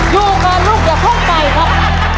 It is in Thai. อยู่ก่อนลูกอย่าเพิ่งไปครับ